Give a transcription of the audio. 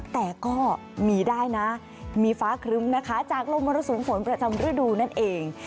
แต่ก็มีได้นะมีฟ้าครึ้มนะคะจากลมมรสุมฝนประจำฤดูนั่นเอง